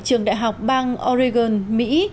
trường đại học bang oregon mỹ